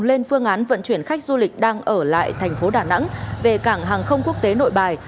lên phương án vận chuyển khách du lịch đang ở lại tp hcm về cảng hàng không quốc tế nội bài